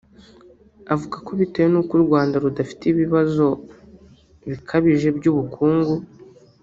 Avuga ko bitewe n’uko u Rwanda rudafite ibibazo bikabije by’ubukungu